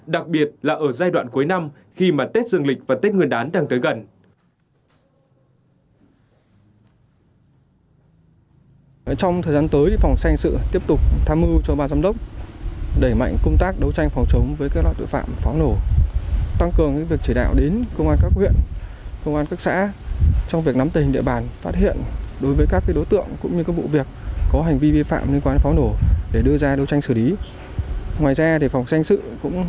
đặc biệt là ở giai đoạn cuối năm khi mà tết dương lịch và tết nguyên đán đang tới gần